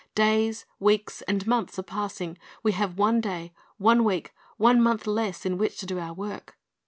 Days, weeks, and months are passing; we have one day, one week, one month less in which to do our work.